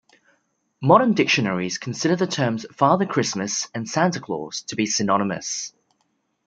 Modern dictionaries consider the terms Father Christmas and Santa Claus to be synonymous.